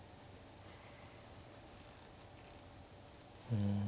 うん。